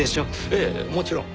ええもちろん。